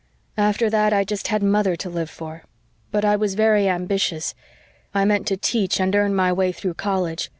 "After that I had just mother to live for. But I was very ambitious. I meant to teach and earn my way through college.